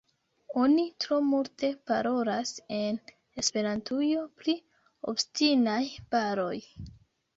Oni tro multe parolas en Esperantujo pri “obstinaj baroj”.